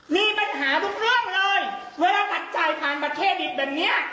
มีปัญหาทุกเรื่องเลยเวลาตัดจ่ายผ่านบัตรเครดิตแบบเนี้ย